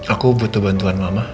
aku butuh bantuan mama